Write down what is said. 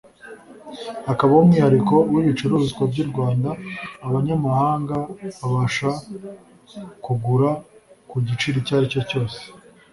hakabaho umwihariko w’ibicuruzwa by’u Rwanda abanyamahanga babasha kugura ku giciro icyo ari cyo cyose